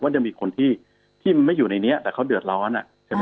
ว่ายังมีคนที่ไม่อยู่ในนี้แต่เขาเดือดร้อน